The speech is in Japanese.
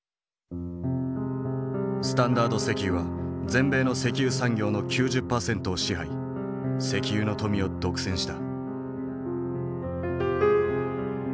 スタンダード石油は全米の石油産業の９０％を支配石油の富を独占した。